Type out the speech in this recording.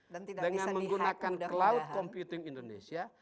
dengan menggunakan cloud computing indonesia